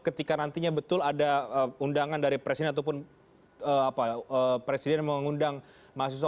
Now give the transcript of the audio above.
ketika nantinya betul ada undangan dari presiden ataupun presiden mengundang mahasiswa